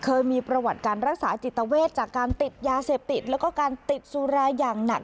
เคยมีประวัติการรักษาจิตเวทจากการติดยาเสพติดแล้วก็การติดสุราอย่างหนัก